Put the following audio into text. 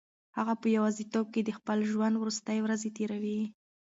هغه په یوازیتوب کې د خپل ژوند وروستۍ ورځې تېروي.